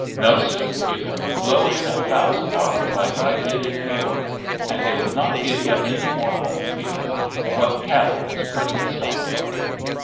No, sir! Yu' can blow in a thousand dollars like I did in New York, and it'll not give yu' any more home feelin' than what cattle has put in a stock yard.